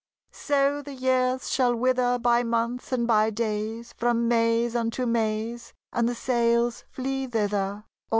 So the years shall wither By months and by days, From Mays unto Mays; And the sails flee thither, 46 LOVE LIES A COLD.